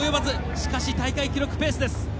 しかし、大会記録ペースです。